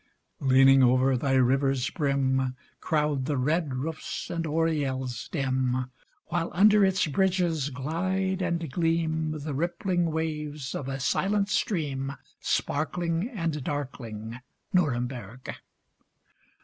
Leaning over thy river's brim Crowd the red roofs and oriels dim, While under its bridges glide and gleam The rippling waves of a silent stream, Sparkling and darkling, Nuremberg!